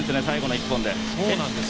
最後の１本で。